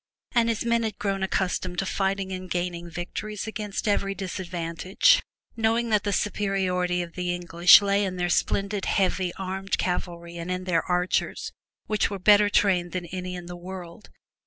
And his men had grown accustomed to fighting and gaining victories against every disadvantage. Knowing that the superiority of the English lay in their splendid heavy armed cavalry and in their archers, which were better trained than any in the world.